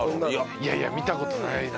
いやいや見た事ないな。